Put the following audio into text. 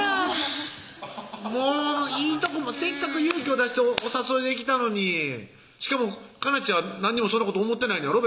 あらいいとこもせっかく勇気を出してお誘いできたのにしかもカナチは何にもそんなこと思ってないねやろ？